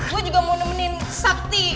aku juga mau nemenin sakti